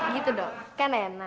gitu dong kan enak